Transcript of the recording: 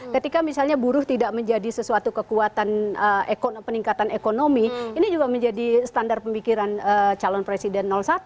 ketika misalnya buruh tidak menjadi sesuatu kekuatan peningkatan ekonomi ini juga menjadi standar pemikiran calon presiden satu